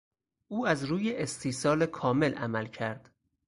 او از روی استیصال کامل عمل کرد.